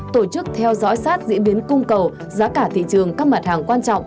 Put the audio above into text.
tổ chức theo dõi sát diễn biến cung cầu giá cả thị trường các mặt hàng quan trọng